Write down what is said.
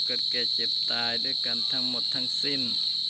แก่เจ็บตายด้วยกันทั้งหมดทั้งสิ้น